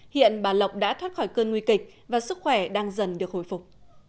hiện bà lộc đã thoát khỏi cơn nguy kịch và sức khỏe đang dần được hồi phục